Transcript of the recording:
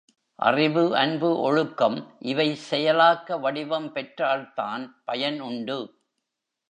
அறிவு, அன்பு, ஒழுக்கம் இவை செயலாக்க வடிவம் பெற்றால்தான் பயன் உண்டு.